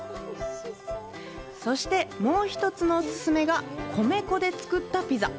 そして、もう一つのお勧めが米粉で作ったピザ。